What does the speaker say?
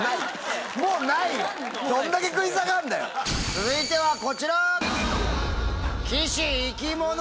続いてはこちら！